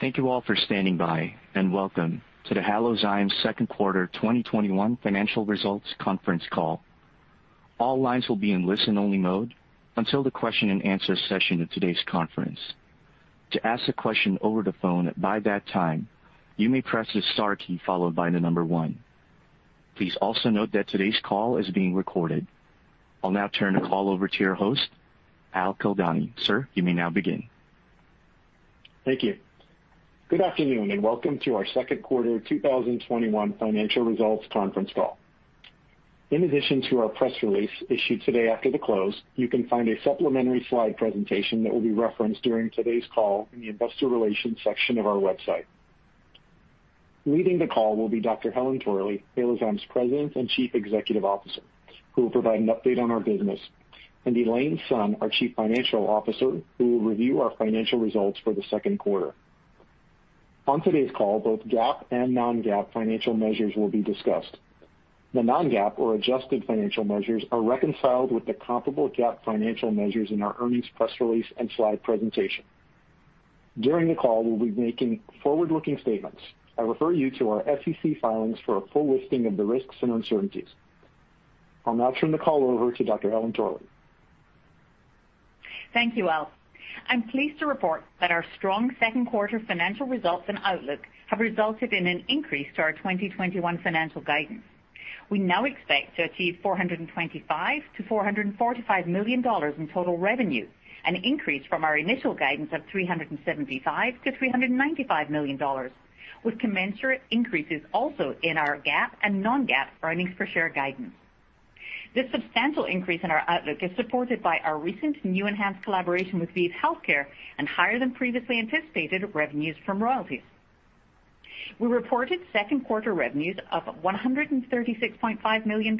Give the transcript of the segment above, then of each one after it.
Thank you all for standing by, and welcome to the Halozyme Second Quarter 2021 Financial Results Conference Call. All lines will be in listen-only mode until the question-and-answer session of today's conference. To ask a question over the phone by that time, you may press the star key followed by the number one. Please also note that today's call is being recorded. I'll now turn the call over to your host, Al Kildani. Sir, you may now begin. Thank you. Good afternoon, and welcome to our Second Quarter 2021 Financial Results Conference Call. In addition to our press release issued today after the close, you can find a supplementary slide presentation that will be referenced during today's call in the investor relations section of our website. Leading the call will be Dr. Helen Torley, Halozyme's President and Chief Executive Officer, who will provide an update on our business, and Elaine Sun, our Chief Financial Officer, who will review our financial results for the second quarter. On today's call, both GAAP and non-GAAP financial measures will be discussed. The non-GAAP or adjusted financial measures are reconciled with the comparable GAAP financial measures in our earnings press release and slide presentation. During the call, we'll be making forward-looking statements. I refer you to our SEC filings for a full listing of the risks and uncertainties. I'll now turn the call over to Dr. Helen Torley. Thank you, Al. I'm pleased to report that our strong second quarter financial results and outlook have resulted in an increase to our 2021 financial guidance. We now expect to achieve $425-$445 million in total revenue, an increase from our initial guidance of $375-$395 million, with commensurate increases also in our GAAP and non-GAAP earnings per share guidance. This substantial increase in our outlook is supported by our recent new ENHANZE collaboration with ViiV Healthcare and higher than previously anticipated revenues from royalties. We reported second quarter revenues of $136.5 million.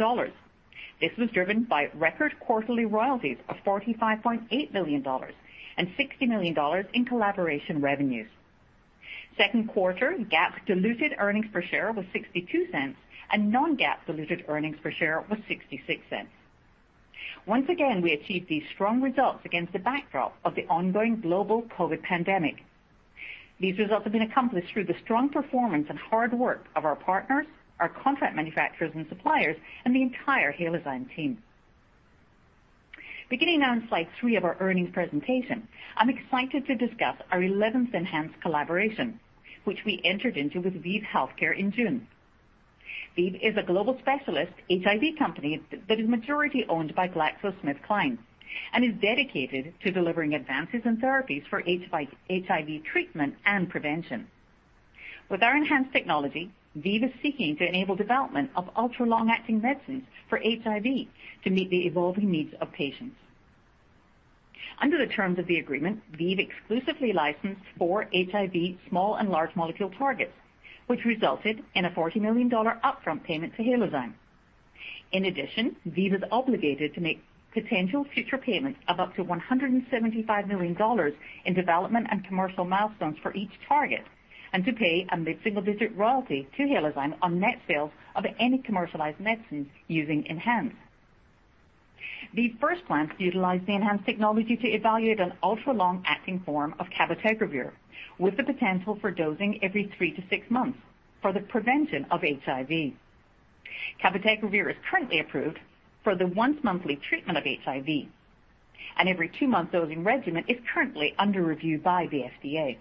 This was driven by record quarterly royalties of $45.8 million and $60 million in collaboration revenues. Second quarter GAAP diluted earnings per share was $0.62, and non-GAAP diluted earnings per share was $0.66. Once again, we achieved these strong results against the backdrop of the ongoing global COVID pandemic. These results have been accomplished through the strong performance and hard work of our partners, our contract manufacturers and suppliers, and the entire Halozyme team. Beginning now in slide three of our earnings presentation, I'm excited to discuss our 11th ENHANZE collaboration, which we entered into with ViiV Healthcare in June. ViiV is a global specialist HIV company that is majority owned by GlaxoSmithKline and is dedicated to delivering advances in therapies for HIV treatment and prevention. With our ENHANZE technology, ViiV is seeking to enable development of ultra-long-acting medicines for HIV to meet the evolving needs of patients. Under the terms of the agreement, ViiV exclusively licensed four HIV small and large molecule targets, which resulted in a $40 million upfront payment to Halozyme. In addition, ViiV is obligated to make potential future payments of up to $175 million in development and commercial milestones for each target and to pay a mid-single digit royalty to Halozyme on net sales of any commercialized medicines using ENHANZE. ViiV first planned to utilize the ENHANZE technology to evaluate an ultra-long-acting form of cabotegravir, with the potential for dosing every three to six months for the prevention of HIV. Cabotegravir is currently approved for the once-monthly treatment of HIV, and every two-month dosing regimen is currently under review by the FDA.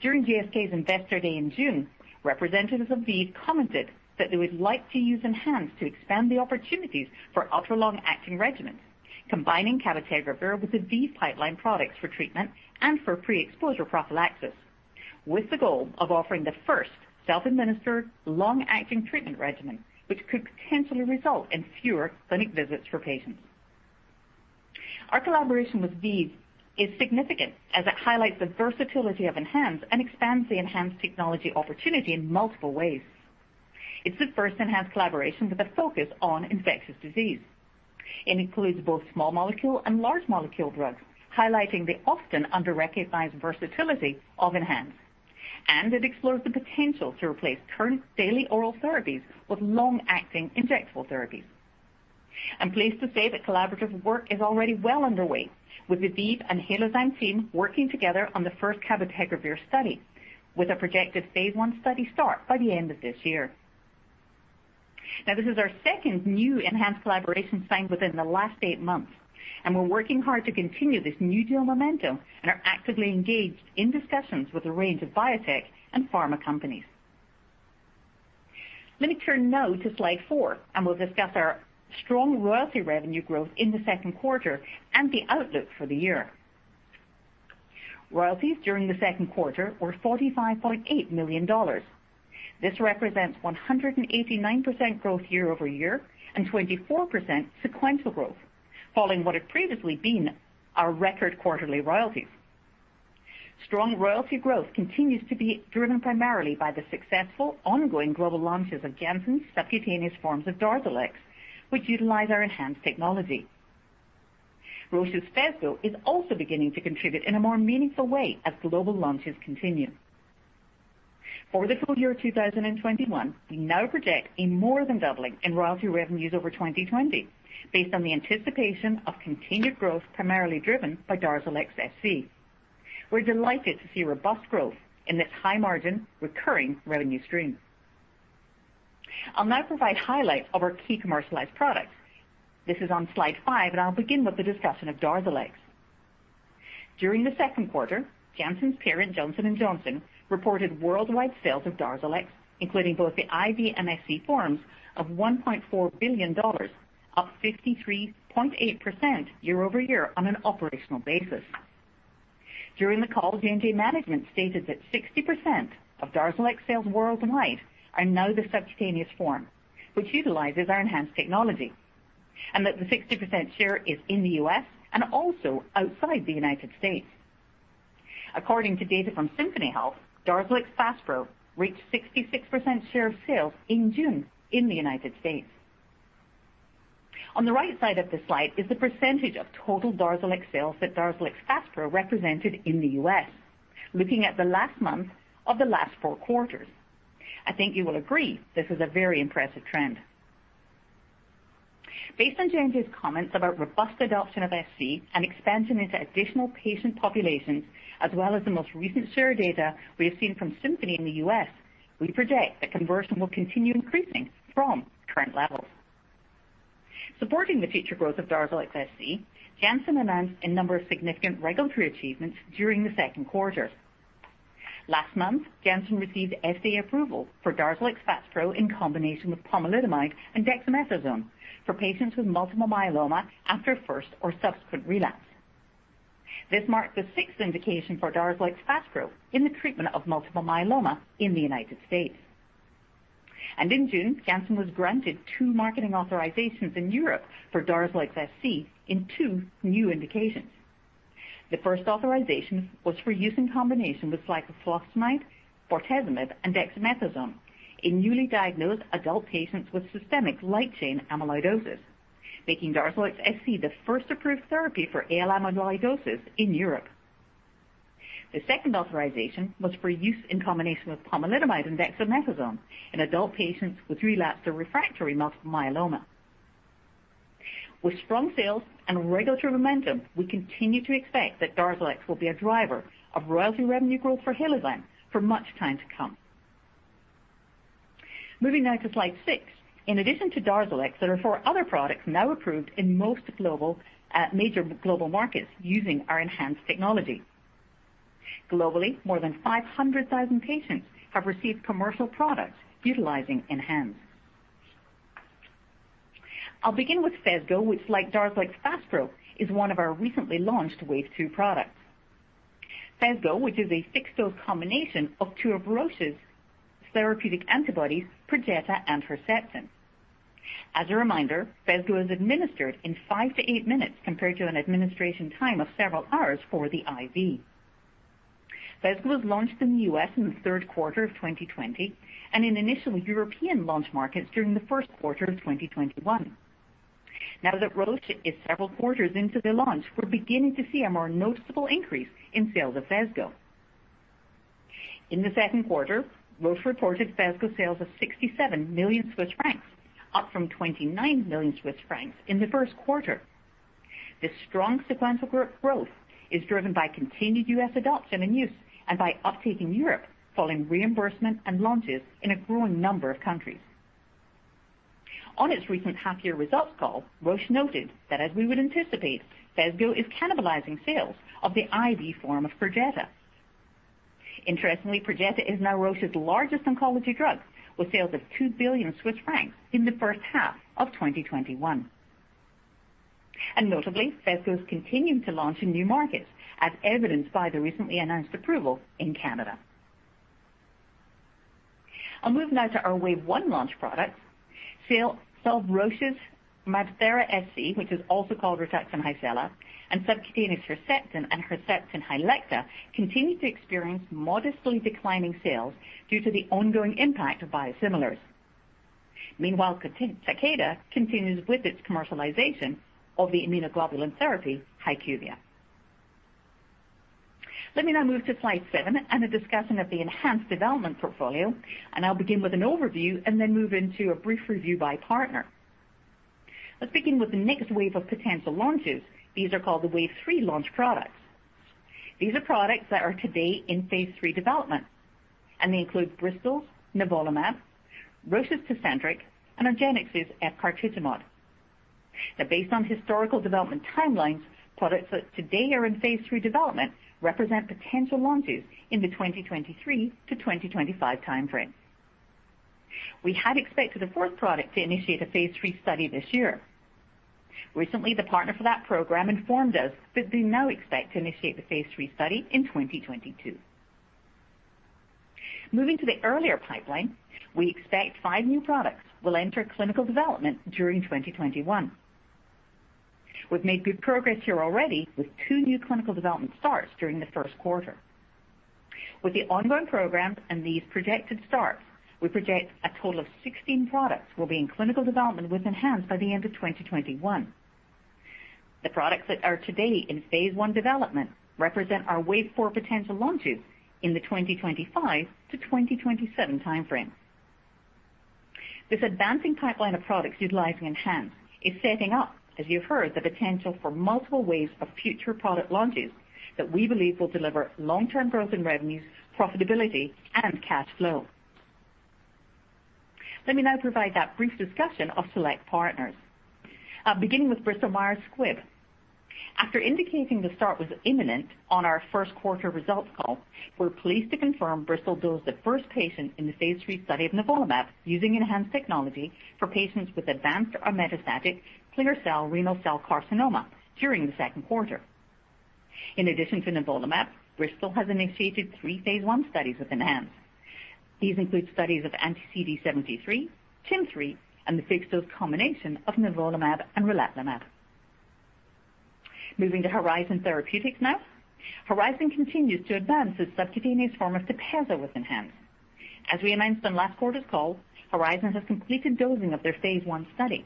During GSK's Investor Day in June, representatives of ViiV commented that they would like to use ENHANZE to expand the opportunities for ultra-long-acting regimens, combining cabotegravir with the ViiV pipeline products for treatment and for pre-exposure prophylaxis, with the goal of offering the first self-administered long-acting treatment regimen, which could potentially result in fewer clinic visits for patients. Our collaboration with ViiV is significant as it highlights the versatility of ENHANZE and expands the ENHANZE technology opportunity in multiple ways. It's the first ENHANZE collaboration with a focus on infectious disease. It includes both small molecule and large molecule drugs, highlighting the often under-recognized versatility of ENHANZE, and it explores the potential to replace current daily oral therapies with long-acting injectable therapies. I'm pleased to say that collaborative work is already well underway, with the ViiV and Halozyme team working together on the first cabotegravir study, with a projected phase one study start by the end of this year. Now, this is our second new ENHANCE collaboration signed within the last eight months, and we're working hard to continue this new deal momentum and are actively engaged in discussions with a range of biotech and pharma companies. Let me turn now to slide four, and we'll discuss our strong royalty revenue growth in the second quarter and the outlook for the year. Royalty during the second quarter was $45.8 million. This represents 189% growth year over year and 24% sequential growth, following what had previously been our record quarterly royalties. Strong royalty growth continues to be driven primarily by the successful ongoing global launches of Janssen's subcutaneous forms of Darzalex, which utilize our ENHANZE technology. Roche's Phesgo is also beginning to contribute in a more meaningful way as global launches continue. For the full year of 2021, we now project a more than doubling in royalty revenues over 2020, based on the anticipation of continued growth primarily driven by Darzalex SC. We're delighted to see robust growth in this high-margin recurring revenue stream. I'll now provide highlights of our key commercialized products. This is on slide five, and I'll begin with the discussion of Darzalex. During the second quarter, Janssen's parent, Johnson & Johnson, reported worldwide sales of Darzalex, including both the IV and SC forms, of $1.4 billion, up 53.8% year over year on an operational basis. During the call, J&J Management stated that 60% of Darzalex sales worldwide are now the subcutaneous form, which utilizes our ENHANZE technology, and that the 60% share is in the U.S. and also outside the United States. According to data from Symphony Health, Darzalex Faspro reached 66% share of sales in June in the United States. On the right side of the slide is the percentage of total Darzalex sales that Darzalex Faspro represented in the U.S., looking at the last month of the last four quarters. I think you will agree this is a very impressive trend. Based on J&J's comments about robust adoption of SC and expansion into additional patient populations, as well as the most recent share data we have seen from Symphony in the U.S., we project that conversion will continue increasing from current levels. Supporting the future growth of DARZALEX FASPRO, Janssen announced a number of significant regulatory achievements during the second quarter. Last month, Janssen received FDA approval for DARZALEX FASPRO in combination with pomalidomide and dexamethasone for patients with multiple myeloma after first or subsequent relapse. This marked the sixth indication for DARZALEX FASPRO in the treatment of multiple myeloma in the United States, and in June, Janssen was granted two marketing authorizations in Europe for DARZALEX FASPRO in two new indications. The first authorization was for use in combination with cyclophosphamide, bortezomib, and dexamethasone in newly diagnosed adult patients with systemic light chain amyloidosis, making DARZALEX FASPRO the first approved therapy for AL amyloidosis in Europe. The second authorization was for use in combination with pomalidomide and dexamethasone in adult patients with relapsed or refractory multiple myeloma. With strong sales and regulatory momentum, we continue to expect that Darzalex will be a driver of royalty revenue growth for Halozyme for much time to come. Moving now to slide six, in addition to Darzalex, there are four other products now approved in most major global markets using our ENHANZE technology. Globally, more than 500,000 patients have received commercial products utilizing ENHANZE. I'll begin with PHESGO, which, like DARZALEX FASPRO, is one of our recently launched Wave Two products. PHESGO, which is a fixed-dose combination of two of Roche's therapeutic antibodies, Perjeta and Herceptin. As a reminder, PHESGO is administered in five to eight minutes compared to an administration time of several hours for the IV. PHESGO was launched in the U.S. in the third quarter of 2020 and in initial European launch markets during the first quarter of 2021. Now that Roche is several quarters into the launch, we're beginning to see a more noticeable increase in sales of PHESGO. In the second quarter, Roche reported PHESGO sales of 67 million Swiss francs, up from 29 million Swiss francs in the first quarter. This strong sequential growth is driven by continued U.S. adoption and use and by uptake in Europe, following reimbursement and launches in a growing number of countries. On its recent half-year results call, Roche noted that, as we would anticipate, PHESGO is cannibalizing sales of the IV form of Perjeta. Interestingly, Perjeta is now Roche's largest oncology drug, with sales of 2 billion Swiss francs in the first half of 2021. And notably, PHESGO has continued to launch in new markets, as evidenced by the recently announced approval in Canada. I'll move now to our Wave One launch products. Roche's MabThera SC, which is also called Rituxan Hycela, and subcutaneous Herceptin and Herceptin Hylecta continue to experience modestly declining sales due to the ongoing impact of biosimilars. Meanwhile, Takeda continues with its commercialization of the immunoglobulin therapy HYQVIA. Let me now move to slide seven and a discussion of the enhanced development portfolio, and I'll begin with an overview and then move into a brief review by partner. Let's begin with the next wave of potential launches. These are called the Wave Three launch products. These are products that are today in phase three development, and they include Bristol's nivolumab, Roche's Tecentriq, and argenx's efgartigimod. Now, based on historical development timelines, products that today are in phase three development represent potential launches in the 2023-2025 timeframe. We had expected the fourth product to initiate a phase three study this year. Recently, the partner for that program informed us that they now expect to initiate the phase three study in 2022. Moving to the earlier pipeline, we expect five new products will enter clinical development during 2021. We've made good progress here already with two new clinical development starts during the first quarter. With the ongoing programs and these projected starts, we project a total of 16 products will be in clinical development with ENHANZE by the end of 2021. The products that are today in phase one development represent our Wave Four potential launches in the 2025-2027 timeframe. This advancing pipeline of products utilizing ENHANZE is setting up, as you've heard, the potential for multiple waves of future product launches that we believe will deliver long-term growth in revenues, profitability, and cash flow. Let me now provide that brief discussion of select partners. Beginning with Bristol-Myers Squibb. After indicating the start was imminent on our first quarter results call, we're pleased to confirm Bristol dosed the first patient in the phase three study of nivolumab using ENHANZE technology for patients with advanced or metastatic clear cell renal cell carcinoma during the second quarter. In addition to Nivolumab, Bristol has initiated three phase one studies with ENHANZE. These include studies of anti-CD73, TIM-3, and the fixed dose combination of nivolumab and relatlimab. Moving to Horizon Therapeutics now. Horizon continues to advance its subcutaneous form of TEPEZZA with ENHANZE. As we announced on last quarter's call, Horizon has completed dosing of their phase one study.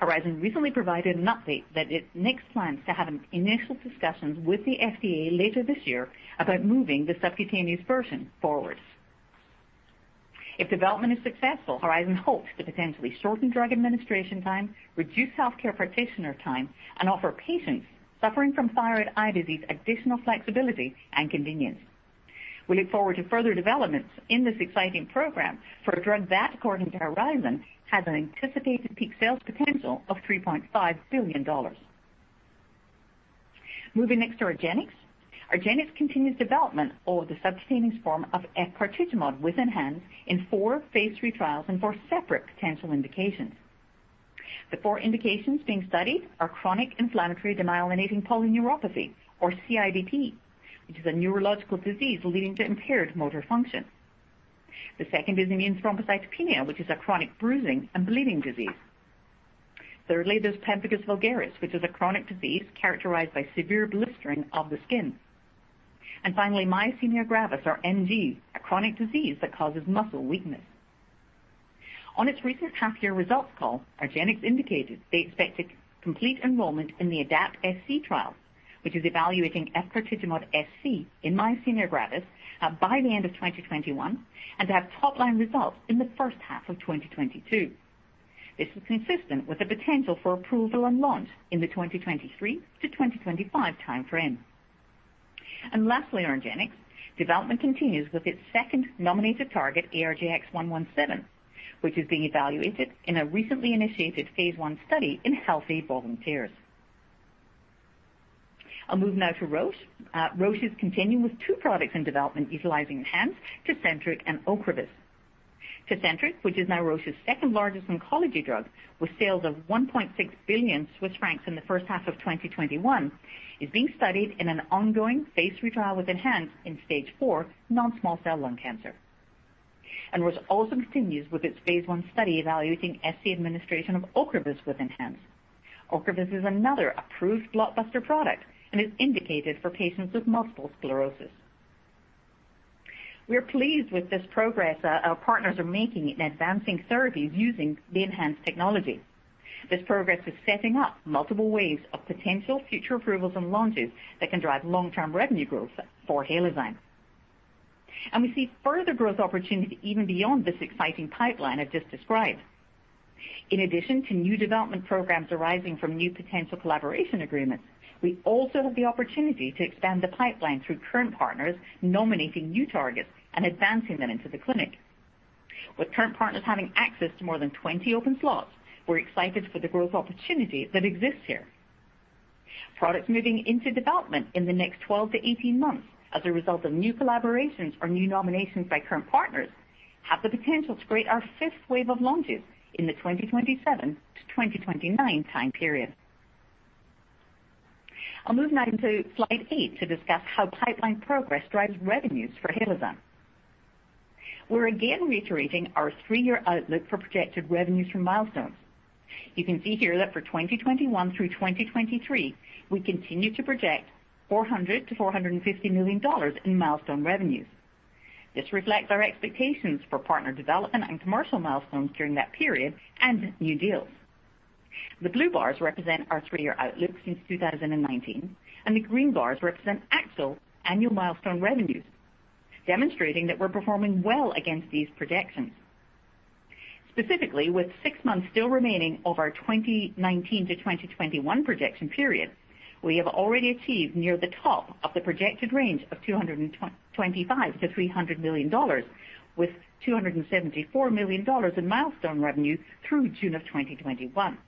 Horizon recently provided an update that it makes plans to have initial discussions with the FDA later this year about moving the subcutaneous version forward. If development is successful, Horizon hopes to potentially shorten drug administration time, reduce healthcare practitioner time, and offer patients suffering from thyroid eye disease additional flexibility and convenience. We look forward to further developments in this exciting program for a drug that, according to Horizon, has an anticipated peak sales potential of $3.5 billion. Moving next to argenx. argenx continues development of the subcutaneous form of efgartigimod with ENHANZE in four phase three trials and four separate potential indications. The four indications being studied are chronic inflammatory demyelinating polyneuropathy, or CIDP, which is a neurological disease leading to impaired motor function. The second is immune thrombocytopenia, which is a chronic bruising and bleeding disease. Thirdly, there's pemphigus vulgaris, which is a chronic disease characterized by severe blistering of the skin. And finally, myasthenia gravis, or MG, a chronic disease that causes muscle weakness. On its recent half-year results call, argenx indicated they expect complete enrollment in the ADAPT-SC trial, which is evaluating efgartigimod SC in myasthenia gravis by the end of 2021 and to have top-line results in the first half of 2022. This is consistent with the potential for approval and launch in the 2023-2025 timeframe. And lastly, argenx development continues with its second nominated target, ARGX-117, which is being evaluated in a recently initiated phase one study in healthy volunteers. I'll move now to Roche. Roche is continuing with two products in development utilizing ENHANZE, Tecentriq and Ocrevus. Tecentriq, which is now Roche's second largest oncology drug, with sales of 1.6 billion Swiss francs in the first half of 2021, is being studied in an ongoing phase three trial with ENHANZE in stage four non-small cell lung cancer. And Roche also continues with its phase one study evaluating SC administration of Ocrevus with ENHANZE. Ocrevus is another approved blockbuster product and is indicated for patients with multiple sclerosis. We are pleased with this progress, our partners are making in advancing therapies using the ENHANZE technology. This progress is setting up multiple waves of potential future approvals and launches that can drive long-term revenue growth for Halozyme. And we see further growth opportunity even beyond this exciting pipeline I've just described. In addition to new development programs arising from new potential collaboration agreements, we also have the opportunity to expand the pipeline through current partners nominating new targets and advancing them into the clinic. With current partners having access to more than 20 open slots, we're excited for the growth opportunity that exists here. Products moving into development in the next 12-18 months as a result of new collaborations or new nominations by current partners have the potential to create our fifth wave of launches in the 2027-2029 timeframe. I'll move now into slide eight to discuss how pipeline progress drives revenues for Halozyme. We're again reiterating our three-year outlook for projected revenues from milestones. You can see here that for 2021 through 2023, we continue to project $400-$450 million in milestone revenues. This reflects our expectations for partner development and commercial milestones during that period and new deals. The blue bars represent our three-year outlook since 2019, and the green bars represent actual annual milestone revenues, demonstrating that we're performing well against these projections. Specifically, with six months still remaining of our 2019-2021 projection period, we have already achieved near the top of the projected range of $225-$300 million, with $274 million in milestone revenue through June of 2021,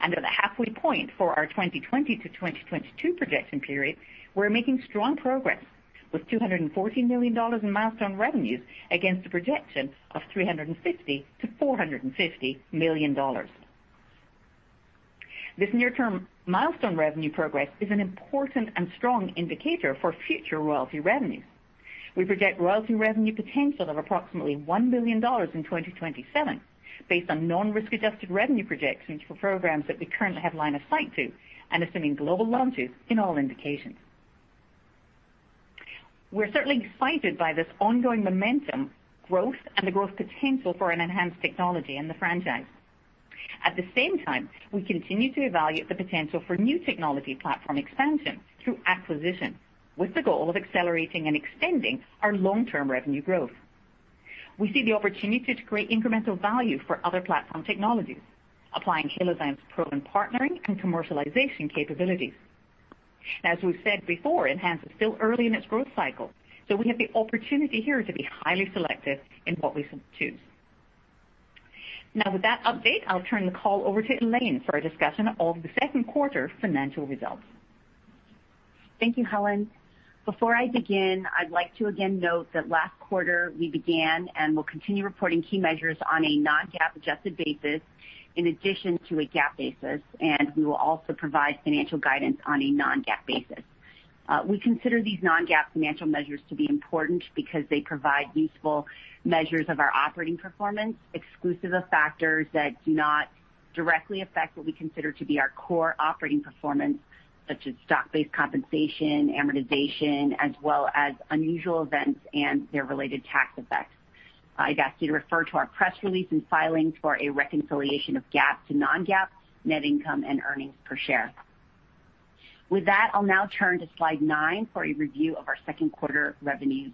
and at the halfway point for our 2020-2022 projection period, we're making strong progress with $214 million in milestone revenues against a projection of $350-$450 million. This near-term milestone revenue progress is an important and strong indicator for future royalty revenues. We project royalty revenue potential of approximately $1 billion in 2027, based on non-risk-adjusted revenue projections for programs that we currently have line of sight to and assuming global launches in all indications. We're certainly excited by this ongoing momentum, growth, and the growth potential for an enhanced technology and the franchise. At the same time, we continue to evaluate the potential for new technology platform expansion through acquisition, with the goal of accelerating and extending our long-term revenue growth. We see the opportunity to create incremental value for other platform technologies, applying Halozyme's proven partnering and commercialization capabilities. As we've said before, ENHANZE is still early in its growth cycle, so we have the opportunity here to be highly selective in what we choose. Now, with that update, I'll turn the call over to Elaine for a discussion of the second quarter financial results. Thank you, Helen. Before I begin, I'd like to again note that last quarter we began and will continue reporting key measures on a non-GAAP adjusted basis in addition to a GAAP basis, and we will also provide financial guidance on a non-GAAP basis. We consider these non-GAAP financial measures to be important because they provide useful measures of our operating performance, exclusive of factors that do not directly affect what we consider to be our core operating performance, such as stock-based compensation, amortization, as well as unusual events and their related tax effects. I'd ask you to refer to our press release and filings for a reconciliation of GAAP to non-GAAP net income and earnings per share. With that, I'll now turn to slide nine for a review of our second quarter revenues.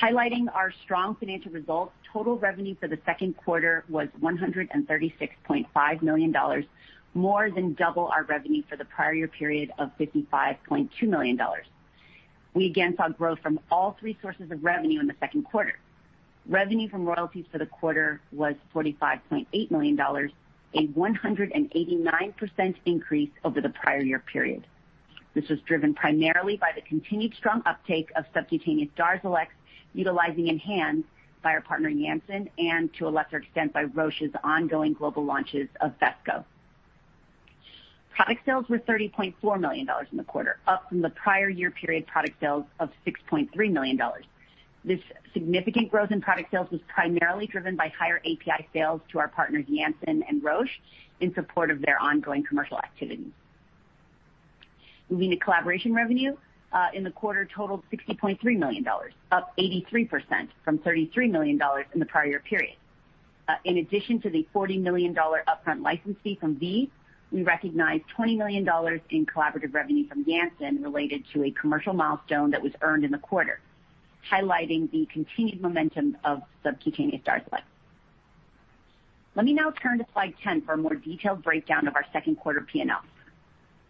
Highlighting our strong financial results, total revenue for the second quarter was $136.5 million, more than double our revenue for the prior year period of $55.2 million. We again saw growth from all three sources of revenue in the second quarter. Revenue from royalties for the quarter was $45.8 million, a 189% increase over the prior year period. This was driven primarily by the continued strong uptake of subcutaneous Darzalex utilizing ENHANZE by our partner Janssen and, to a lesser extent, by Roche's ongoing global launches of Phesgo. Product sales were $30.4 million in the quarter, up from the prior year period product sales of $6.3 million. This significant growth in product sales was primarily driven by higher API sales to our partners Janssen and Roche in support of their ongoing commercial activity. Moving to collaboration revenue, in the quarter totaled $60.3 million, up 83% from $33 million in the prior year period. In addition to the $40 million upfront license fee from ViiV, we recognize $20 million in collaborative revenue from Janssen related to a commercial milestone that was earned in the quarter, highlighting the continued momentum of subcutaneous Darzalex. Let me now turn to slide 10 for a more detailed breakdown of our second quarter P&L.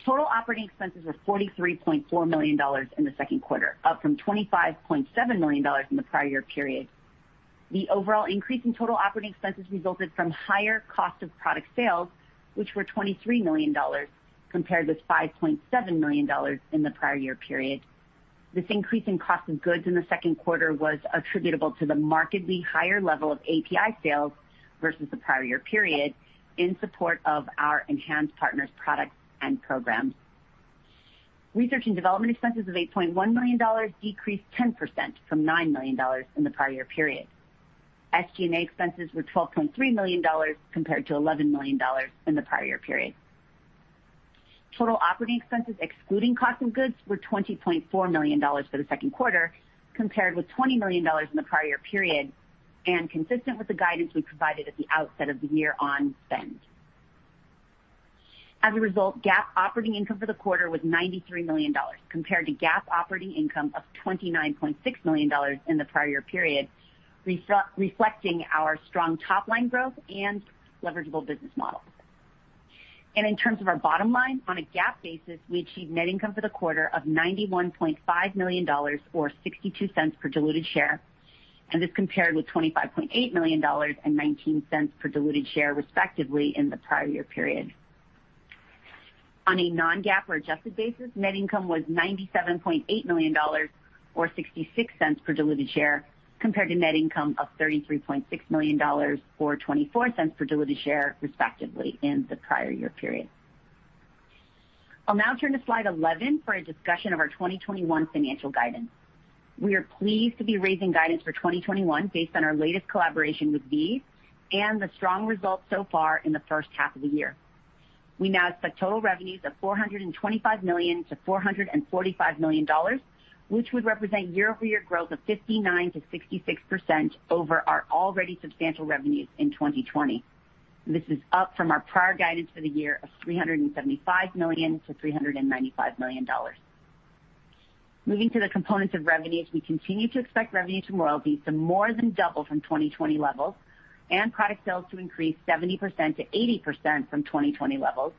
Total operating expenses were $43.4 million in the second quarter, up from $25.7 million in the prior year period. The overall increase in total operating expenses resulted from higher cost of product sales, which were $23 million compared with $5.7 million in the prior year period. This increase in cost of goods in the second quarter was attributable to the markedly higher level of API sales versus the prior year period in support of our ENHANZE partner's products and programs. Research and development expenses of $8.1 million decreased 10% from $9 million in the prior year period. SG&A expenses were $12.3 million compared to $11 million in the prior year period. Total operating expenses excluding cost of goods were $20.4 million for the second quarter compared with $20 million in the prior year period and consistent with the guidance we provided at the outset of the year on spend. As a result, GAAP operating income for the quarter was $93 million compared to GAAP operating income of $29.6 million in the prior year period, reflecting our strong top-line growth and leverageable business model. And in terms of our bottom line, on a GAAP basis, we achieved net income for the quarter of $91.5 million or $0.62 per diluted share, and this compared with $25.8 million and $0.19 per diluted share, respectively, in the prior year period. On a non-GAAP or adjusted basis, net income was $97.8 million or $0.66 per diluted share compared to net income of $33.6 million or $0.24 per diluted share, respectively, in the prior year period. I'll now turn to slide 11 for a discussion of our 2021 financial guidance. We are pleased to be raising guidance for 2021 based on our latest collaboration with ViiV and the strong results so far in the first half of the year. We now expect total revenues of $425 million-$445 million, which would represent year-over-year growth of 59%-66% over our already substantial revenues in 2020. This is up from our prior guidance for the year of $375 million-$395 million. Moving to the components of revenues, we continue to expect revenue from royalties to more than double from 2020 levels and product sales to increase 70%-80% from 2020 levels,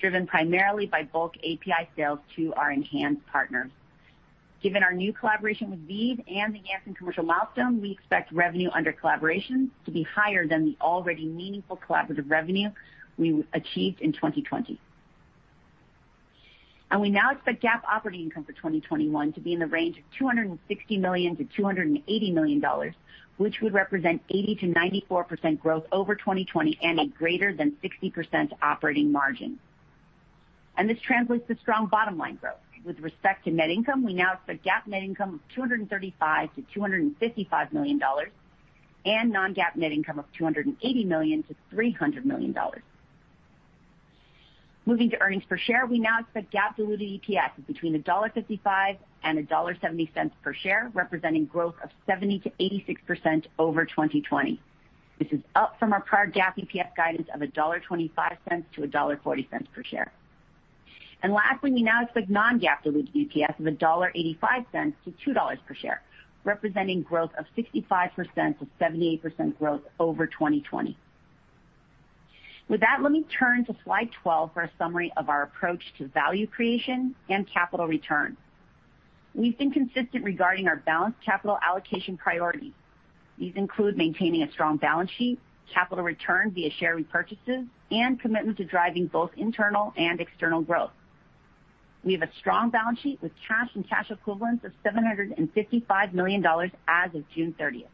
driven primarily by bulk API sales to our ENHANZE partners. Given our new collaboration with ViiV and the Janssen commercial milestone, we expect revenue under collaboration to be higher than the already meaningful collaborative revenue we achieved in 2020. We now expect GAAP operating income for 2021 to be in the range of $260 million-$280 million, which would represent 80%-94% growth over 2020 and a greater than 60% operating margin. And this translates to strong bottom-line growth. With respect to net income, we now expect GAAP net income of $235-$255 million and non-GAAP net income of $280 million-$300 million. Moving to earnings per share, we now expect GAAP diluted EPS between $1.55-$1.70 per share, representing growth of 70%-86% over 2020. This is up from our prior GAAP EPS guidance of $1.25-$1.40 per share. And lastly, we now expect non-GAAP diluted EPS of $1.85-$2 per share, representing growth of 65%-78% growth over 2020. With that, let me turn to slide 12 for a summary of our approach to value creation and capital return. We've been consistent regarding our balanced capital allocation priorities. These include maintaining a strong balance sheet, capital return via share repurchases, and commitment to driving both internal and external growth. We have a strong balance sheet with cash and cash equivalents of $755 million as of June 30th,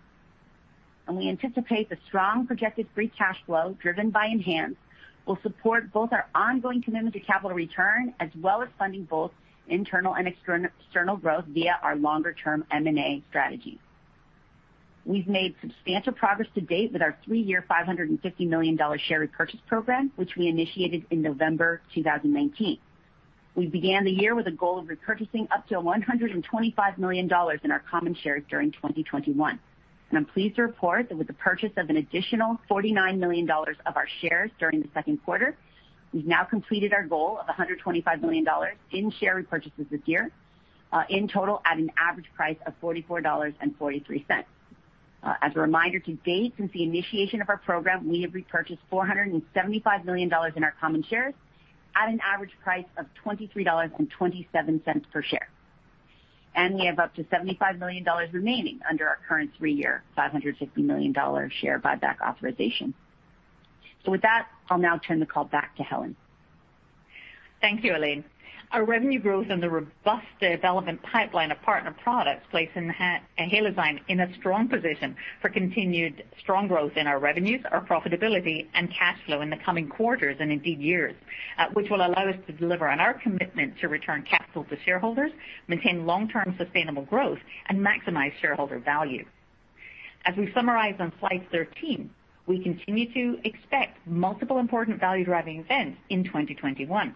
and we anticipate the strong projected free cash flow driven by ENHANZE will support both our ongoing commitment to capital return as well as funding both internal and external growth via our longer-term M&A strategy. We've made substantial progress to date with our three-year $550 million share repurchase program, which we initiated in November 2019. We began the year with a goal of repurchasing up to $125 million in our common shares during 2021. And I'm pleased to report that with the purchase of an additional $49 million of our shares during the second quarter, we've now completed our goal of $125 million in share repurchases this year in total at an average price of $44.43. As a reminder, to date, since the initiation of our program, we have repurchased $475 million in our common shares at an average price of $23.27 per share. And we have up to $75 million remaining under our current three-year $550 million share buyback authorization. So with that, I'll now turn the call back to Helen. Thank you, Elaine. Our revenue growth and the robust development pipeline of partner products place Halozyme in a strong position for continued strong growth in our revenues, our profitability, and cash flow in the coming quarters and indeed years, which will allow us to deliver on our commitment to return capital to shareholders, maintain long-term sustainable growth, and maximize shareholder value. As we summarize on slide 13, we continue to expect multiple important value-driving events in 2021.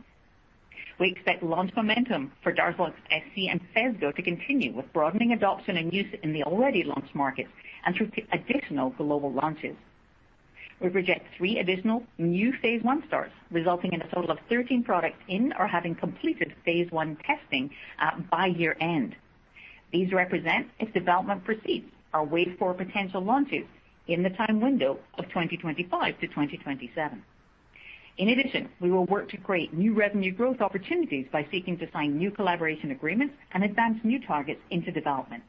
We expect launch momentum for DARZALEX SC and Phesgo to continue with broadening adoption and use in the already launched markets and through additional global launches. We project three additional new phase one starts, resulting in a total of 13 products in or having completed phase one testing by year-end. These represent its development proceeds, our wave four potential launches in the time window of 2025 to 2027. In addition, we will work to create new revenue growth opportunities by seeking to sign new collaboration agreements and advance new targets into development.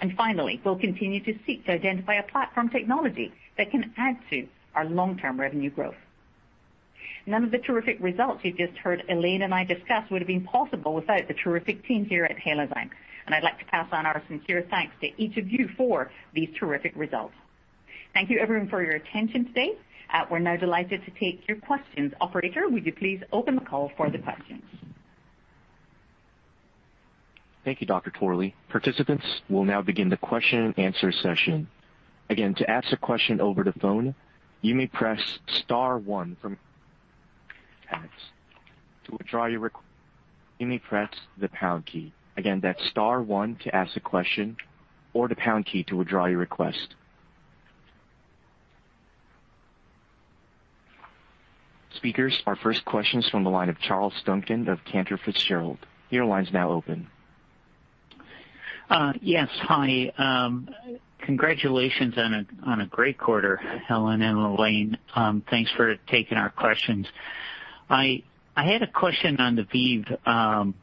And finally, we'll continue to seek to identify a platform technology that can add to our long-term revenue growth. None of the terrific results you just heard Elaine and I discuss would have been possible without the terrific teams here at Halozyme. And I'd like to pass on our sincere thanks to each of you for these terrific results. Thank you, everyone, for your attention today. We're now delighted to take your questions. Operator, would you please open the call for the questions? Thank you, Dr. Torley. Participants, we'll now begin the question-and-answer session. Again, to ask a question over the phone, you may press star one from your tabs. To withdraw your request, you may press the pound key. Again, that's star one to ask a question or the pound key to withdraw your request. Speakers, our first question is from the line of Charles Duncan of Cantor Fitzgerald. Your line's now open. Yes, hi. Congratulations on a great quarter, Helen and Elaine. Thanks for taking our questions. I had a question on the ViiV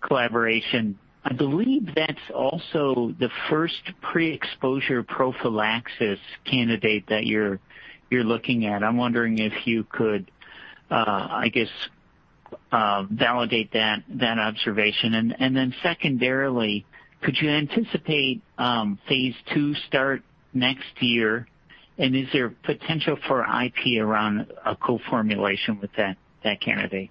collaboration. I believe that's also the first pre-exposure prophylaxis candidate that you're looking at. I'm wondering if you could, I guess, validate that observation. And then secondarily, could you anticipate phase two start next year? And is there potential for IP around a co-formulation with that candidate?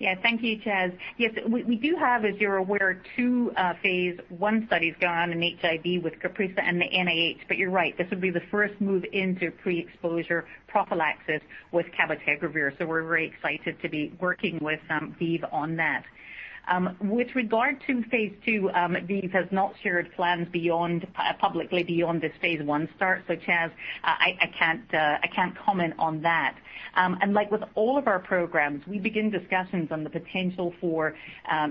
Yeah, thank you, Charles. Yes, we do have, as you're aware, two phase one studies going on in HIV with CAPRISA and the NIH, but you're right, this would be the first move into pre-exposure prophylaxis with Cabotegravir. So we're very excited to be working with ViiV on that. With regard to phase two, ViiV has not shared plans publicly beyond this phase one start, so Charles, I can't comment on that. And like with all of our programs, we begin discussions on the potential for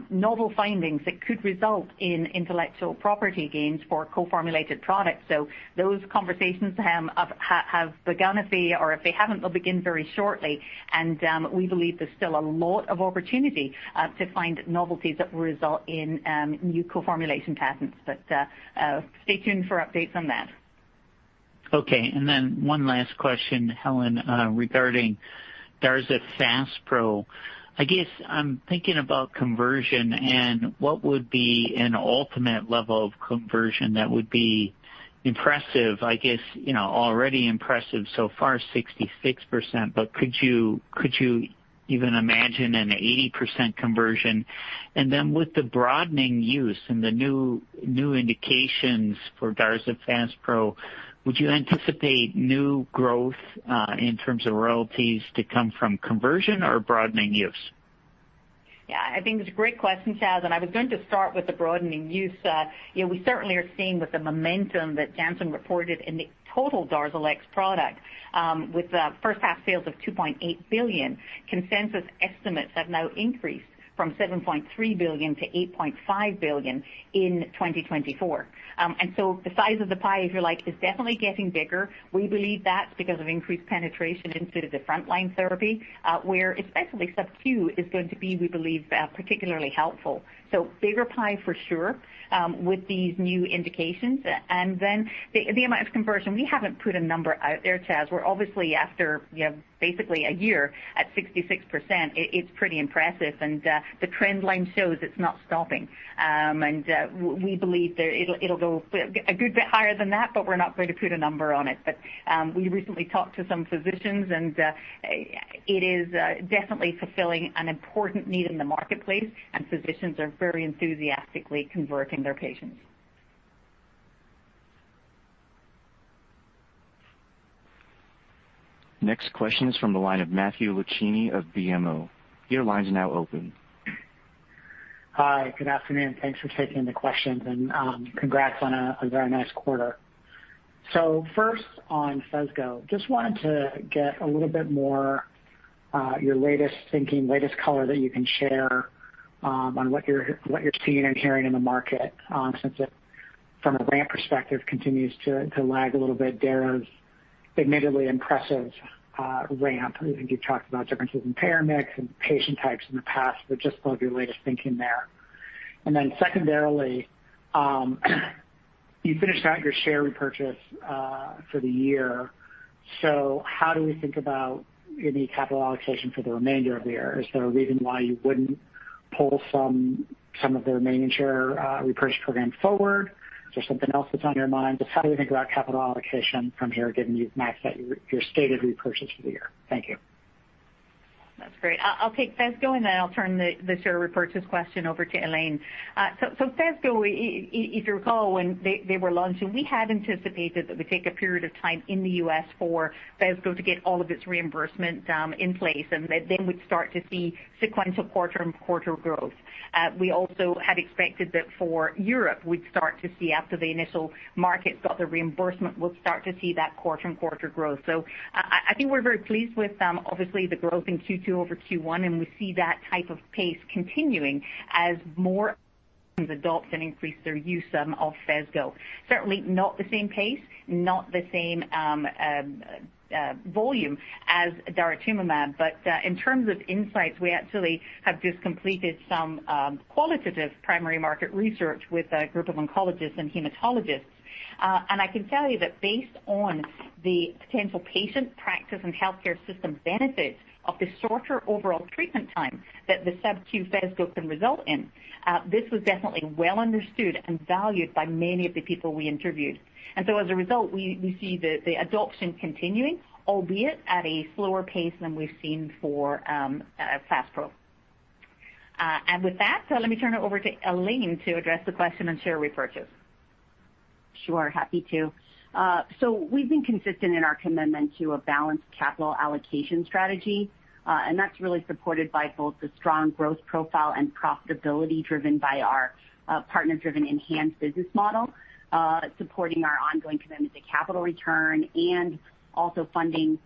novel findings that could result in intellectual property gains for co-formulated products. So those conversations have begun if they are, if they haven't, they'll begin very shortly. And we believe there's still a lot of opportunity to find novelties that will result in new co-formulation patents. But stay tuned for updates on that. Okay. And then one last question, Helen, regarding Darzalex FasPro. I guess I'm thinking about conversion and what would be an ultimate level of conversion that would be impressive. I guess already impressive so far, 66%, but could you even imagine an 80% conversion? And then with the broadening use and the new indications for DARZALEX FASPRO, would you anticipate new growth in terms of royalties to come from conversion or broadening use? Yeah, I think it's a great question, Charles. I was going to start with the broadening use. We certainly are seeing with the momentum that Janssen reported in the total DARZALEX product, with first-half sales of $2.8 billion. Consensus estimates have now increased from $7.3 billion-$8.5 billion in 2024. So the size of the pie, if you like, is definitely getting bigger. We believe that's because of increased penetration into the front-line therapy, where especially subQ is going to be, we believe, particularly helpful. So bigger pie for sure with these new indications. Then the amount of conversion, we haven't put a number out there, Charles. We're obviously after basically a year at 66%. It's pretty impressive. And the trend line shows it's not stopping. And we believe it'll go a good bit higher than that, but we're not going to put a number on it. But we recently talked to some physicians, and it is definitely fulfilling an important need in the marketplace, and physicians are very enthusiastically converting their patients. Next question is from the line of Matthew Lucchini of BMO. Your line's now open. Hi, good afternoon. Thanks for taking the questions, and congrats on a very nice quarter. So first on Phesgo, just wanted to get a little bit more your latest thinking, latest color that you can share on what you're seeing and hearing in the market since it, from a ramp perspective, continues to lag a little bit. Darzalex, admittedly impressive ramp. I think you've talked about differences in payer mix and patient types in the past, but just love your latest thinking there. And then secondarily, you finished out your share repurchase for the year. So how do we think about any capital allocation for the remainder of the year? Is there a reason why you wouldn't pull some of the remaining share repurchase program forward? Is there something else that's on your mind? Just how do we think about capital allocation from here, given you've maxed out your stated repurchase for the year? Thank you. That's great. I'll take Phesgo and then I'll turn the share repurchase question over to Elaine. Phesgo, if you recall when they were launching, we had anticipated that we'd take a period of time in the U.S. for Phesgo to get all of its reimbursement in place, and then we'd start to see sequential quarter-on-quarter growth. We also had expected that for Europe, we'd start to see after the initial markets got the reimbursement, we'll start to see that quarter-on-quarter growth. I think we're very pleased with, obviously, the growth in Q2 over Q1, and we see that type of pace continuing as more HCPs and accounts increase their use of Phesgo. Certainly not the same pace, not the same volume as daratumumab, but in terms of insights, we actually have just completed some qualitative primary market research with a group of oncologists and hematologists. I can tell you that based on the potential patient practice and healthcare system benefits of the shorter overall treatment time that the subQ Phesgo can result in, this was definitely well understood and valued by many of the people we interviewed. As a result, we see the adoption continuing, albeit at a slower pace than we've seen for Faspro. With that, let me turn it over to Elaine to address the question on share repurchase. Sure, happy to. We've been consistent in our commitment to a balanced capital allocation strategy, and that's really supported by both the strong growth profile and profitability driven by our partner-driven ENHANZE business model, supporting our ongoing commitment to capital return and also funding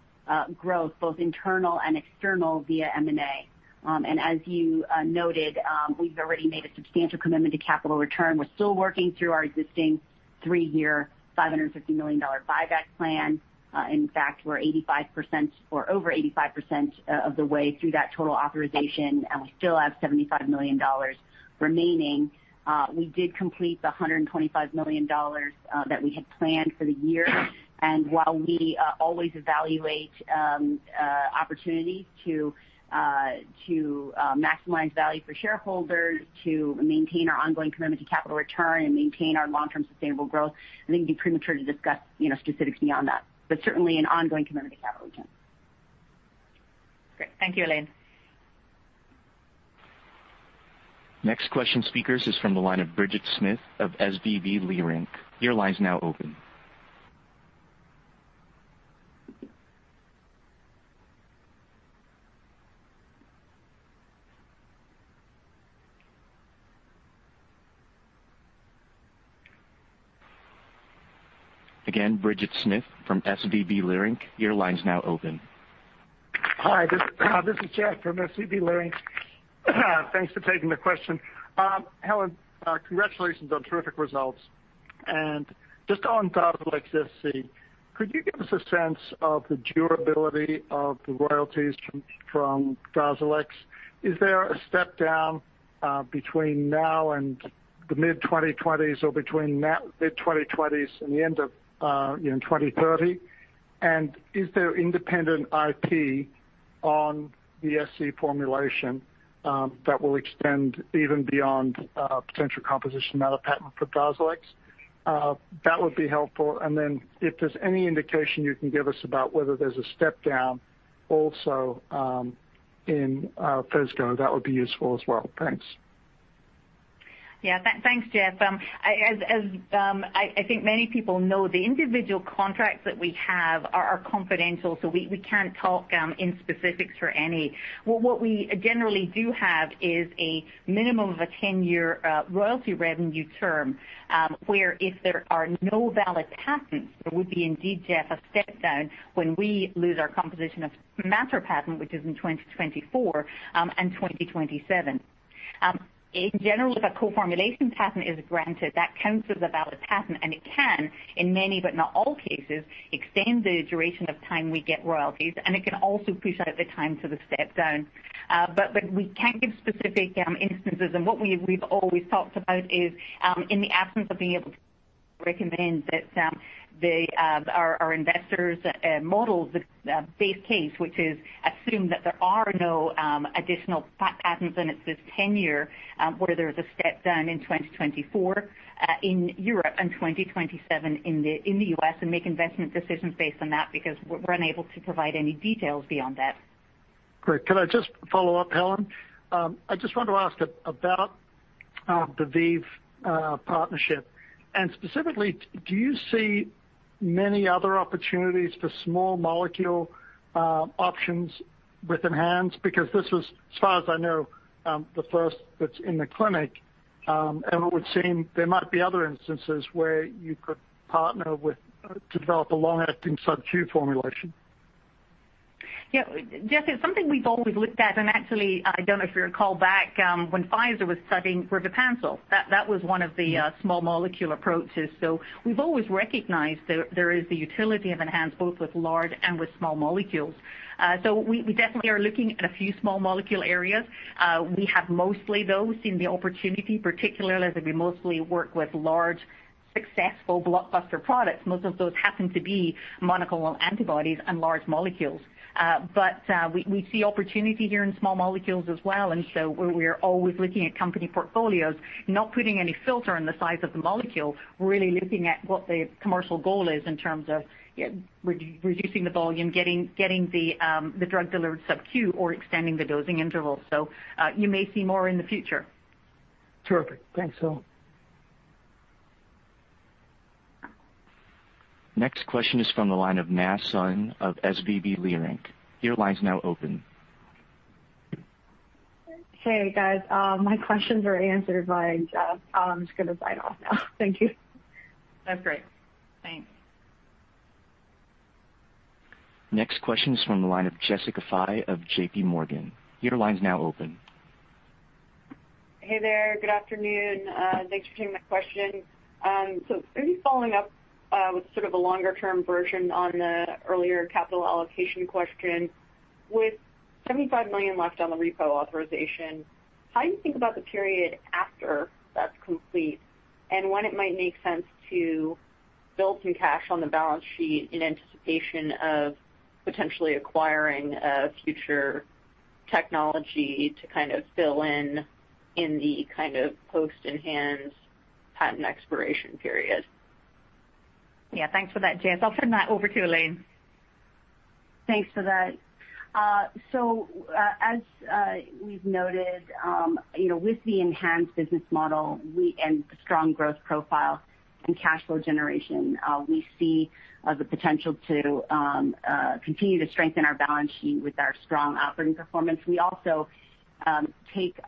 growth both internal and external via M&A. As you noted, we've already made a substantial commitment to capital return. We're still working through our existing three-year $550 million buyback plan. In fact, we're over 85% of the way through that total authorization, and we still have $75 million remaining. We did complete the $125 million that we had planned for the year. And while we always evaluate opportunities to maximize value for shareholders, to maintain our ongoing commitment to capital return and maintain our long-term sustainable growth, I think it'd be premature to discuss specifics beyond that. But certainly an ongoing commitment to capital return. Great. Thank you, Elaine. Next question, speakers, is from the line of Bridget Smith of SVB Leerink. Your line's now open. Again, Bridget Smith from SVB Leerink. Your line's now open. Hi, this is Jeff from SVB Leerink. Thanks for taking the question. Helen, congratulations on terrific results. And just on Darzalex SC, could you give us a sense of the durability of the royalties from Darzalex? Is there a step down between now and the mid-2020s or between mid-2020s and the end of 2030? And is there independent IP on the SC formulation that will extend even beyond potential composition of matter patent for Darzalex? That would be helpful. And then if there's any indication you can give us about whether there's a step down also in Phesgo, that would be useful as well. Thanks. Yeah, thanks, Jeff. As I think many people know, the individual contracts that we have are confidential, so we can't talk in specifics for any. What we generally do have is a minimum of a 10-year royalty revenue term where if there are no valid patents, there would be indeed, Jeff, a step down when we lose our composition of matter patent, which is in 2024 and 2027. In general, if a co-formulation patent is granted, that counts as a valid patent, and it can, in many but not all cases, extend the duration of time we get royalties, and it can also push out the time to the step down. But we can't give specific instances. And what we've always talked about is, in the absence of being able to recommend that our investors model the base case, which is assume that there are no additional patents, and it's this 10-year where there is a step down in 2024 in Europe and 2027 in the U.S., and make investment decisions based on that because we're unable to provide any details beyond that. Great. Can I just follow up, Helen? I just want to ask about the ViiV partnership. And specifically, do you see many other opportunities for small molecule options within ENHANZE? Because this is, as far as I know, the first that's in the clinic, and it would seem there might be other instances where you could partner with to develop a long-acting subQ formulation. Yeah, Jeff, it's something we've always looked at. And actually, I don't know if you recall back when Pfizer was studying rivipansel, that was one of the small molecule approaches. So we've always recognized there is the utility of enhanced both with large and with small molecules. So we definitely are looking at a few small molecule areas. We've mostly seen the opportunity, particularly as we mostly work with large, successful blockbuster products. Most of those happen to be monoclonal antibodies and large molecules. But we see opportunity here in small molecules as well. And so we're always looking at company portfolios, not putting any filter on the size of the molecule, really looking at what the commercial goal is in terms of reducing the volume, getting the drug delivered subQ, or extending the dosing interval. So you may see more in the future. Terrific. Thanks, Hel. Next question is from the line of Masson of SVB Leerink. Your line's now open. Hey, guys. My questions are answered by Al. I'm just going to sign off now. Thank you. That's great. Thanks. Next question is from the line of Jessica Fye of J.P. Morgan. Your line's now open. Hey there. Good afternoon. Thanks for taking the question. So maybe following up with sort of a longer-term version on the earlier capital allocation question. With $75 million left on the repo authorization, how do you think about the period after that's complete and when it might make sense to build some cash on the balance sheet in anticipation of potentially acquiring a future technology to kind of fill in in the kind of post-ENHANZE patent expiration period? Yeah, thanks for that, Jessica. I'll turn that over to Elaine. Thanks for that. So as we've noted, with the enhanced business model and the strong growth profile and cash flow generation, we see the potential to continue to strengthen our balance sheet with our strong operating performance. We also take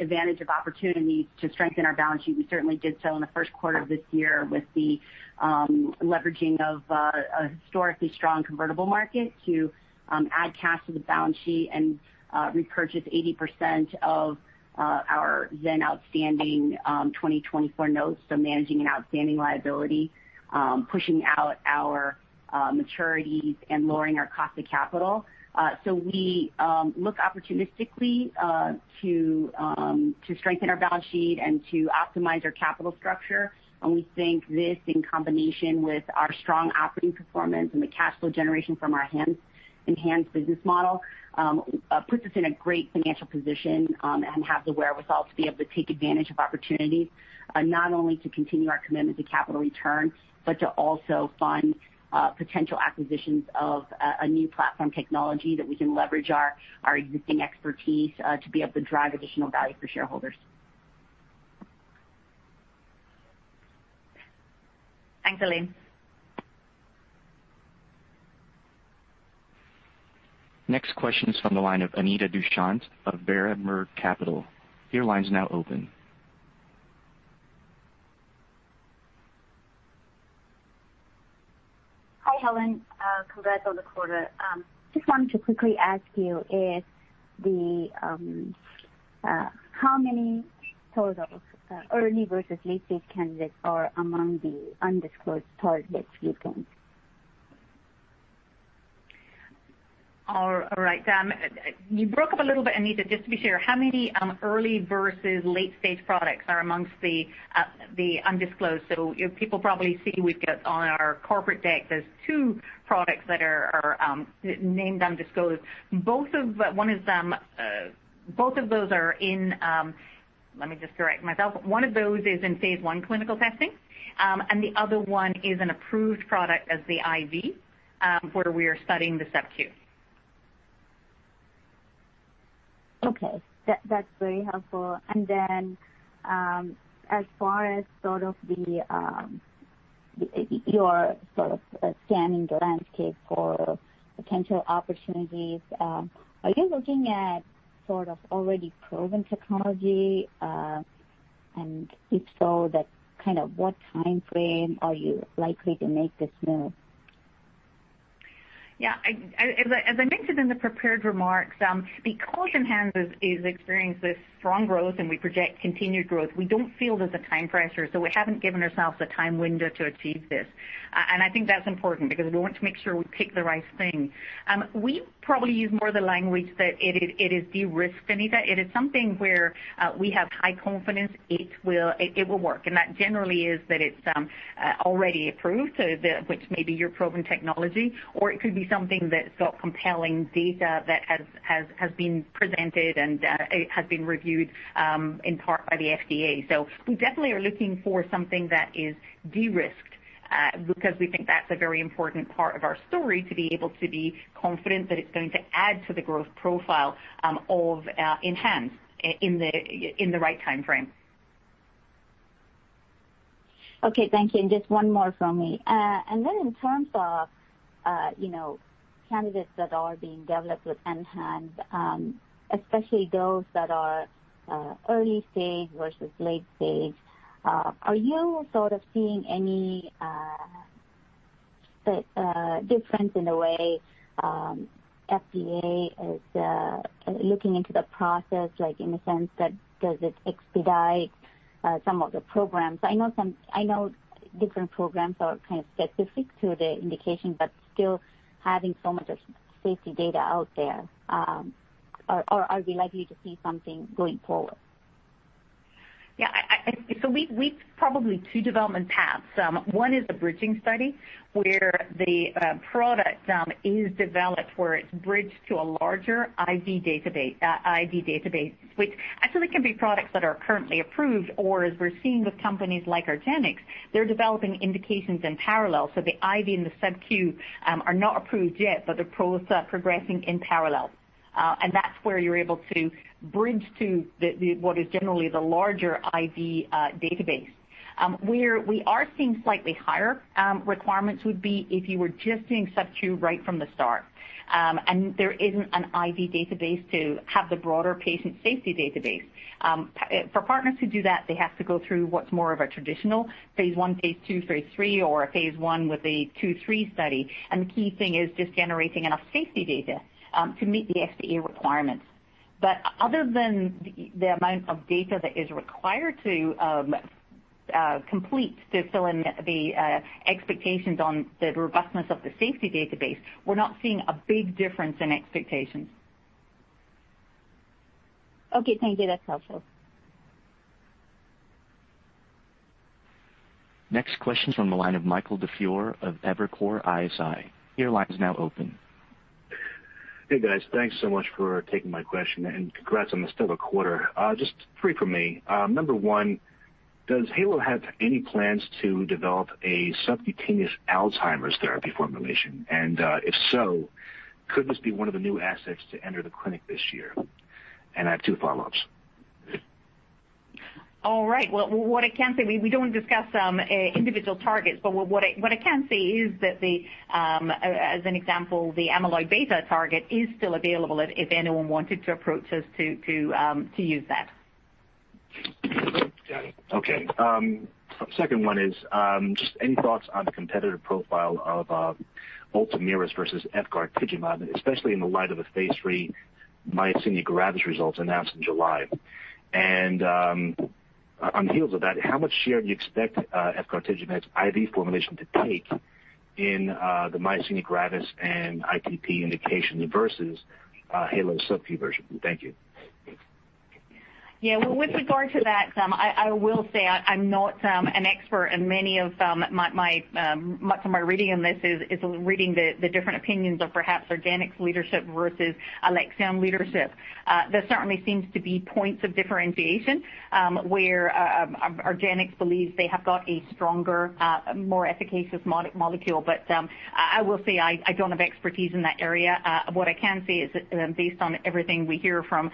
advantage of opportunities to strengthen our balance sheet. We certainly did so in the first quarter of this year with the leveraging of a historically strong convertible market to add cash to the balance sheet and repurchase 80% of our then outstanding 2024 notes, so managing an outstanding liability, pushing out our maturities, and lowering our cost of capital. So we look opportunistically to strengthen our balance sheet and to optimize our capital structure. And we think this, in combination with our strong operating performance and the cash flow generation from our enhanced business model, puts us in a great financial position and has the wherewithal to be able to take advantage of opportunities, not only to continue our commitment to capital return, but to also fund potential acquisitions of a new platform technology that we can leverage our existing expertise to be able to drive additional value for shareholders. Thanks, Elaine. Next question is from the line of Anita Dushyant of Berenberg Capital Markets. Your line's now open. Hi, Helen. Congrats on the quarter. Just wanted to quickly ask you, how many total early versus late-stage candidates are among the undisclosed targets you think? All right. You broke up a little bit, Anita. Just to be sure, how many early versus late-stage products are amongst the undisclosed? So people probably see we've got on our corporate deck, there's two products that are named undisclosed. One of those are in, let me just correct myself, one of those is in phase one clinical testing, and the other one is an approved product as the IV where we are studying the subQ. Okay. That's very helpful. And then as far as sort of your sort of scanning the landscape for potential opportunities, are you looking at sort of already proven technology? And if so, kind of what time frame are you likely to make this move? Yeah. As I mentioned in the prepared remarks, because ENHANZE is experiencing this strong growth and we project continued growth, we don't feel there's a time pressure. So we haven't given ourselves a time window to achieve this. I think that's important because we want to make sure we pick the right thing. We probably use more of the language that it is de-risked, Anita. It is something where we have high confidence it will work. That generally is that it's already approved, which may be your proven technology, or it could be something that's got compelling data that has been presented and has been reviewed in part by the FDA. We definitely are looking for something that is de-risked because we think that's a very important part of our story to be able to be confident that it's going to add to the growth profile of ENHANZE in the right time frame. Okay. Thank you. Just one more from me. And then in terms of candidates that are being developed with ENHANZE, especially those that are early-stage versus late-stage, are you sort of seeing any difference in the way FDA is looking into the process, like in the sense that does it expedite some of the programs? I know different programs are kind of specific to the indication, but still having so much safety data out there, are we likely to see something going forward? Yeah. So we've probably two development paths. One is a bridging study where the product is developed where it's bridged to a larger IV database, which actually can be products that are currently approved. Or as we're seeing with companies like argenx, they're developing indications in parallel. So the IV and the subQ are not approved yet, but they're progressing in parallel. And that's where you're able to bridge to what is generally the larger IV database. Where we are seeing slightly higher requirements would be if you were just doing subQ right from the start. And there isn't an IV database to have the broader patient safety database. For partners who do that, they have to go through what's more of a traditional phase one, phase two, phase three, or a phase one with a two, three study. And the key thing is just generating enough safety data to meet the FDA requirements. But other than the amount of data that is required to complete to fill in the expectations on the robustness of the safety database, we're not seeing a big difference in expectations. Okay. Thank you. That's helpful. Next question is from the line of Michael DiFiore of Evercore ISI. Your line is now open. Hey, guys. Thanks so much for taking my question. And congrats on the solid quarter. Just three from me. Number one, does Halo have any plans to develop a subcutaneous Alzheimer's therapy formulation? And if so, could this be one of the new assets to enter the clinic this year? And I have two follow-ups. All right. Well, what I can say, we don't discuss individual targets, but what I can say is that, as an example, the amyloid beta target is still available if anyone wanted to approach us to use that. Okay. Second one is just any thoughts on the competitor profile of Ultomiris versus Efgartigimod, especially in the light of the phase myasthenia gravis results announced in July. And on the heels of that, how much share do you expect efgartigimod's IV formulation to take in the myasthenia gravis and ITP indication versus Halozyme's subQ version? Thank you. Yeah. Well, with regard to that, I will say I'm not an expert, and many of some of my reading on this is reading the different opinions of perhaps argenx leadership versus Alexion leadership. There certainly seems to be points of differentiation where argenx believes they have got a stronger, more efficacious molecule. But I will say I don't have expertise in that area. What I can say is, based on everything we hear from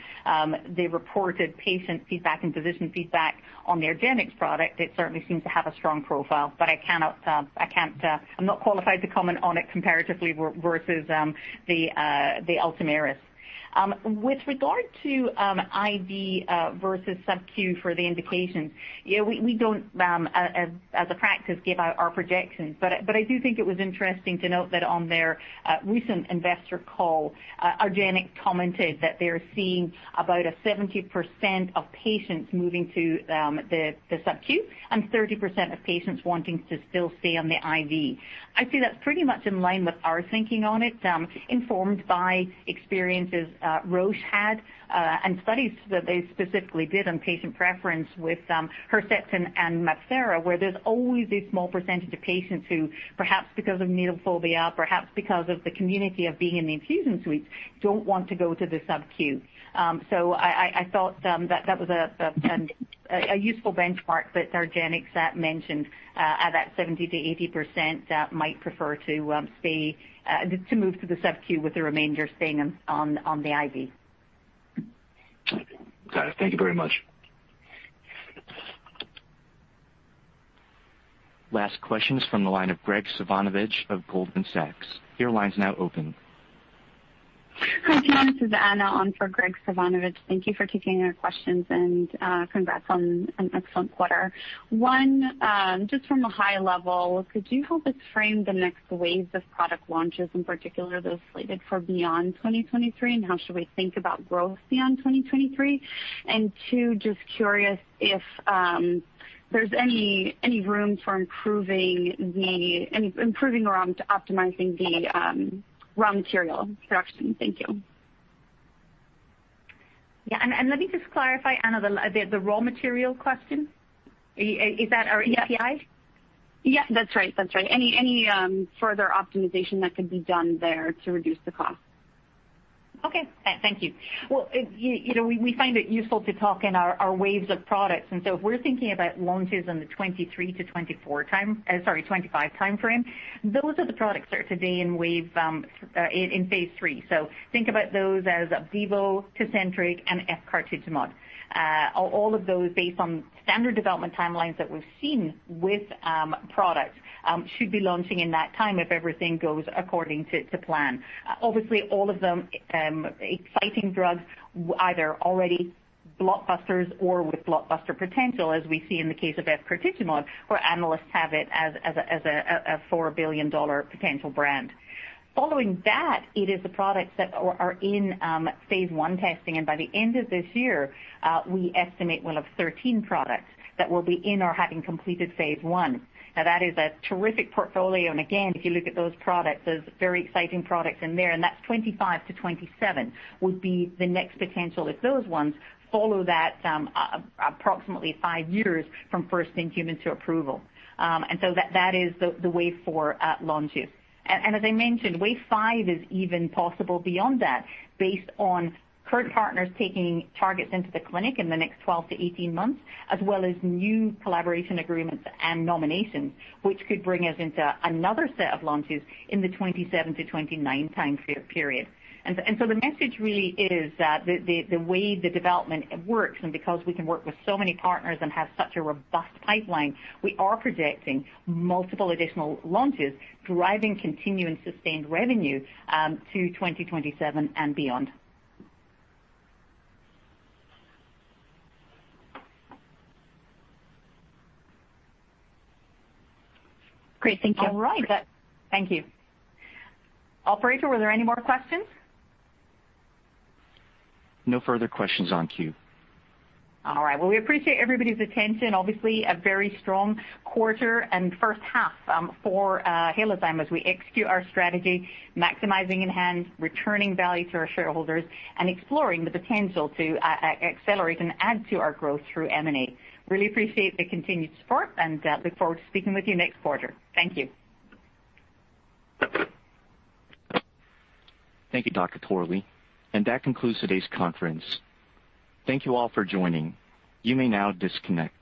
the reported patient feedback and physician feedback on the argenx product, it certainly seems to have a strong profile. But I can't. I'm not qualified to comment on it comparatively versus the Ultomiris. With regard to IV versus subQ for the indications, yeah, we don't, as a practice, give out our projections. But I do think it was interesting to note that on their recent investor call, argenx commented that they're seeing about 70% of patients moving to the subQ and 30% of patients wanting to still stay on the IV. I'd say that's pretty much in line with our thinking on it, informed by experiences Roche had and studies that they specifically did on patient preference with Herceptin and MabThera, where there's always a small percentage of patients who, perhaps because of needle phobia, perhaps because of the community of being in the infusion suites, don't want to go to the subQ. I thought that that was a useful benchmark that argenx mentioned, that 70%-80% might prefer to move to the subQ with the remainder staying on the IV. Thank you very much. Last question is from the line of Graig Suvannavejh of Goldman Sachs. Your line's now open. Hi, Helen. This is Anna on for Graig Suvannavejh. Thank you for taking our questions, and congrats on an excellent quarter. One, just from a high level, could you help us frame the next wave of product launches, in particular those slated for beyond 2023, and how should we think about growth beyond 2023? And two, just curious if there's any room for improving or optimizing the raw material production. Thank you. Yeah. And let me just clarify, Anna, the raw material question. Is that our API? Yeah. That's right. That's right. Any further optimization that could be done there to reduce the cost? Okay. Thank you. Well, we find it useful to talk in our waves of products. And so if we're thinking about launches in the 2023 to 2024 time, sorry, 2025 time frame, those are the products that are today in phase three. So think about those as ViiV, Tecentriq, and efgartigimod. All of those, based on standard development timelines that we've seen with products, should be launching in that time if everything goes according to plan. Obviously, all of them, exciting drugs, either already blockbusters or with blockbuster potential, as we see in the case of efgartigimod, where analysts have it as a $4 billion potential brand. Following that, it is the products that are in phase one testing. And by the end of this year, we estimate we'll have 13 products that will be in or having completed phase 1. Now, that is a terrific portfolio. And again, if you look at those products, there's very exciting products in there. And that's 25-27 would be the next potential if those ones follow that approximately five years from first-in-human to approval. And so that is the wave four launches. And as I mentioned, wave five is even possible beyond that, based on current partners taking targets into the clinic in the next 12-18 months, as well as new collaboration agreements and nominations, which could bring us into another set of launches in the 27-29 time period. And so the message really is that the way the development works, and because we can work with so many partners and have such a robust pipeline, we are projecting multiple additional launches, driving continued and sustained revenue to 2027 and beyond. Great. Thank you. All right. Thank you. Operator, were there any more questions? No further questions in the queue. All right. Well, we appreciate everybody's attention. Obviously, a very strong quarter and first half for Halozyme as we execute our strategy, maximizing ENHANZE, returning value to our shareholders, and exploring the potential to accelerate and add to our growth through M&A. Really appreciate the continued support and look forward to speaking with you next quarter. Thank you. Thank you, Dr. Torley. And that concludes today's conference. Thank you all for joining. You may now disconnect.